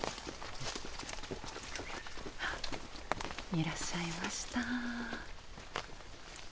いらっしゃいました。